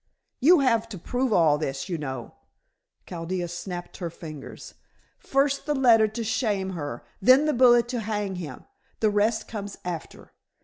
"You have to prove all this, you know." Chaldea snapped her fingers. "First, the letter to shame her; then the bullet to hang him. The rest comes after.